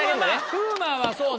風磨はそうね。